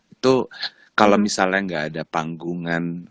itu kalau misalnya nggak ada panggungan